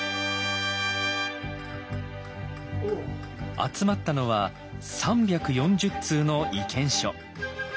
集まったのは３４０通の意見書。